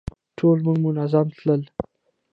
ټول موټر منظم تلل.